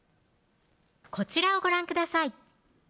こちらをご覧ください